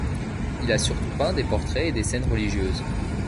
Il a surtout peint des portraits et des scènes religieuses.